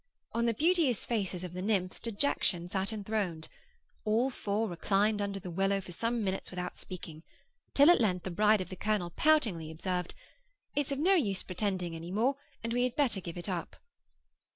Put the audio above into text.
On the beauteous faces of the Nymphs dejection sat enthroned. All four reclined under the willow for some minutes without speaking, till at length the bride of the colonel poutingly observed, 'It's of no use pretending any more, and we had better give it up.